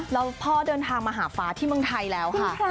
แล้วพ่อเดินทางมาหาฟ้าที่เมืองไทยแล้วค่ะ